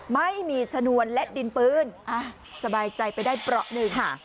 ไม่มีชนวนและดินปืนสบายใจไปได้เปราะหนึ่งค่ะ